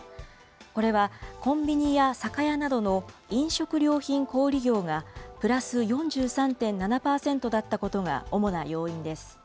これはコンビニや酒屋などの飲食料品小売業がプラス４３．７％だったことが主な要因です。